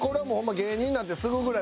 芸人になってすぐぐらい。